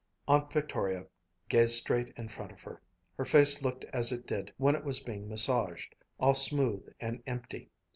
Aunt Victoria gazed straight in front of her. Her face looked as it did when it was being massaged all smooth and empty.